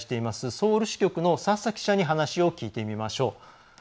ソウル支局の佐々記者に話を聞いてみましょう。